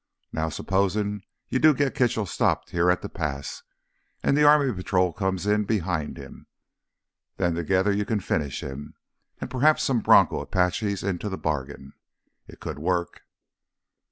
Now—supposin' you do get Kitchell stopped here at the pass—and the army patrol comes in behind him. Then together you can finish him, and perhaps some bronco Apaches into the bargain. It could work."